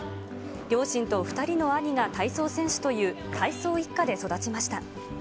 両親と２人の兄が体操選手という、体操一家で育ちました。